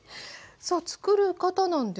さあつくり方なんですが。